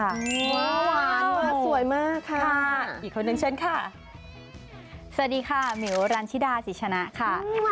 หวานมากสวยมากค่ะอีกคนนึงเชิญค่ะสวัสดีค่ะมิวรันชิดาสิชนะค่ะ